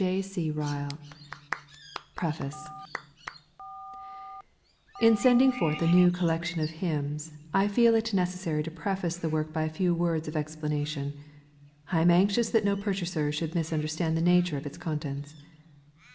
20 North William S* PREFACE, In sending forth a new collection of Hymns, I feel it necessary to preface the work by a few words of explanation. I am anxious that no pur chaser should misunderstand the nature of its contents.